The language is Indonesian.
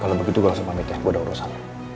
kalau begitu gue langsung pamit ya gue udah urusannya